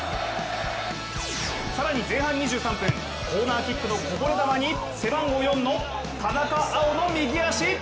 更に前半２３分、コーナーキックのこぼれ球に背番号４の田中碧の右足。